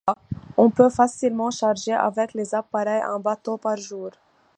On peut facilement charger, avec les appareils, un bateau par jour.